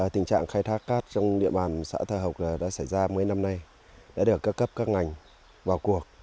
tình trạng khai thác cát trong địa bàn xã tà học đã xảy ra mấy năm nay đã được các cấp các ngành vào cuộc